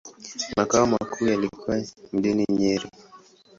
Makao makuu yalikuwa mjini Nyeri.